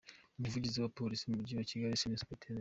Umuvugizi wa Polisi mu Mujyi wa Kigali, Senior Supt.